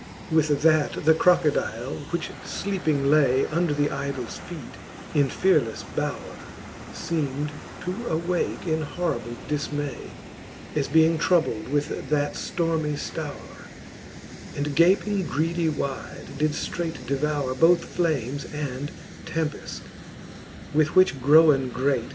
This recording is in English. with that the Crocodile, which fleeping lay Under the idols feete in fearlefTe bowre, Seem'd to awake in horrible difniay, As being troubled with that ftormy ftowre ; And gaping greedy wide, did ftreight devoure Both flames and tempeft : with which growen great.